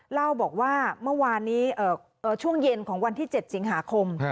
เล่าบอกว่าเมื่อวานนี้ช่วงเย็นของวันที่๗สิงหาคม